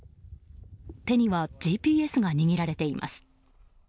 手にはＧＰＳが握られています。